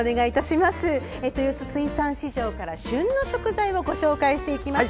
豊洲水産市場から旬の食材をご紹介していきます。